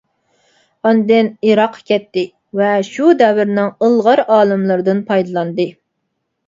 ئاندىن ئىراققا كەتتى ۋە شۇ دەۋرنىڭ ئىلغار ئالىملىرىدىن پايدىلاندى.